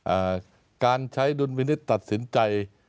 อ่าการใช้ดุลวินิตตัดสินใจ